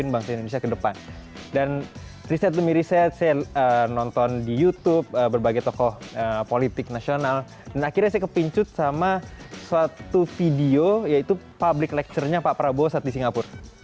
berita terkini dari kpum